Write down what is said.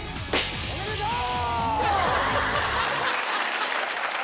おめでとう！